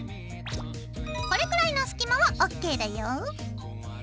これくらいの隙間はＯＫだよ。